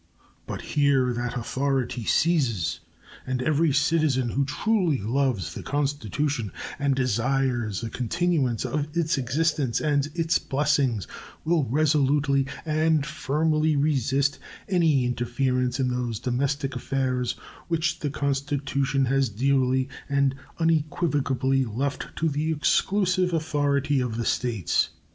But here that authority ceases, and every citizen who truly loves the Constitution and desires the continuance of its existence and its blessings will resolutely and firmly resist any interference in those domestic affairs which the Constitution has dearly and unequivocally left to the exclusive authority of the States.